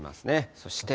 そして。